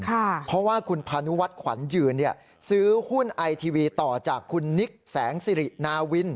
เพราะว่าคุณพานุวัฒน์ขวัญยืนซื้อหุ้นไอทีวีต่อจากคุณนิกแสงสิรินาวิน